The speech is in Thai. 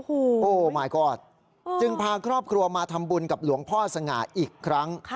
โอ้โหหมายกอดจึงพาครอบครัวมาทำบุญกับหลวงพ่อสง่าอีกครั้ง